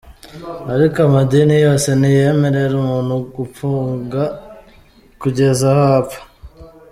Ariko amadini yose ntiyemerera umuntu gupfunga kugeza aho apfa.